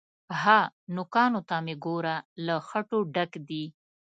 _ها! نوکانو ته مې وګوره، له خټو ډک دي.